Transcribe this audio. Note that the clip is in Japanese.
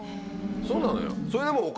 そうなのよ。